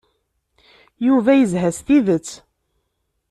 Yuba yezha s tidet.